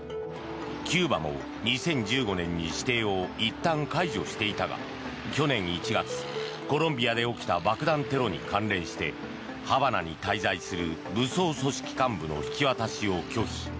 キューバも２０１５年に指定をいったん解除していたが去年１月、コロンビアで起きた爆弾テロに関連してハバナに滞在する武装組織幹部の引き渡しを拒否。